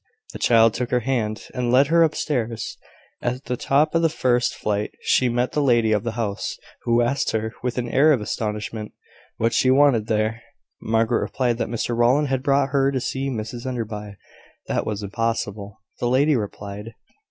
The child took her hand, and led her upstairs. At the top of the first flight she met the lady of the house, who asked her, with an air of astonishment, what she wanted there? Margaret replied that Mr Rowland had brought her to see Mrs Enderby. That was impossible, the lady replied.